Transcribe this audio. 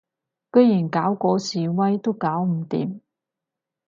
居然搞嗰示威都搞唔掂